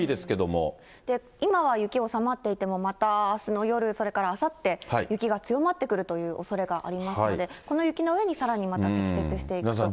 今は雪、おさまっていても、またあすの夜、それからあさって、雪が強まってくるというおそれがありますので、この雪の上にさらに、また積雪していくと。